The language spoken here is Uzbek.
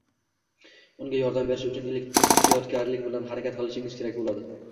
unga yordam berish uchun ehtiyotkorlik bilan harakat qilishingiz kerak bo‘ladi.